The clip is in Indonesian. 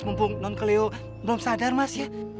mumpung non kelio belum sadar mas